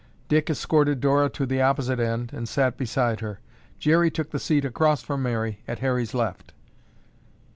Dick escorted Dora to the opposite end and sat beside her. Jerry took the seat across from Mary, at Harry's left.